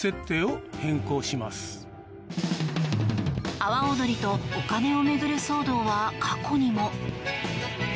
阿波おどりとお金を巡る騒動は過去にも。